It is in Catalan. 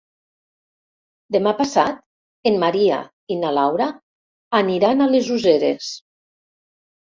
Demà passat en Maria i na Laura aniran a les Useres.